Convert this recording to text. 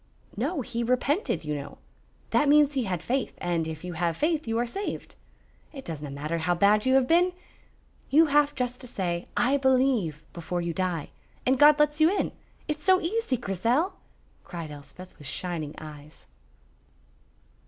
"No, he repented, you know. That means he had faith, and if you have faith you are saved. It doesna matter how bad you have been. You have just to say 'I believe' before you die, and God lets you in. It's so easy, Grizel," cried Elspeth, with shining eyes.